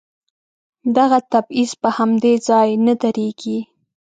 دغه تبعيض په همدې ځای نه درېږي.